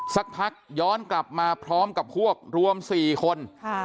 สักพักย้อนกลับมาพร้อมกับพวกรวม๔คน